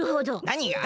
何が？